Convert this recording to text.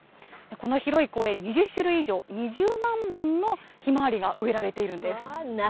この広い公園、２０種類以上、２０万本のヒマワリが植えられてい夏